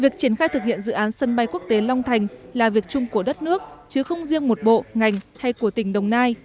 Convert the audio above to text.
việc triển khai thực hiện dự án sân bay quốc tế long thành là việc chung của đất nước chứ không riêng một bộ ngành hay của tỉnh đồng nai